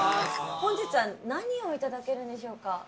本日は何をいただけるんでしょうか？